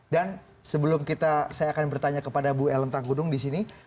dan sebelum kita saya akan bertanya kepada bu el lentang gunung disini